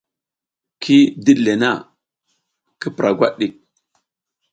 Ki diɗ le na, ki pura gwat ɗik !